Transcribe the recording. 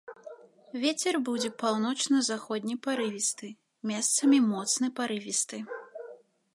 Вецер будзе паўночна-заходні парывісты, месцамі моцны парывісты.